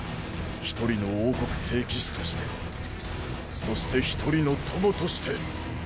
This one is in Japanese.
一人の王国聖騎士としてそして一人の友として。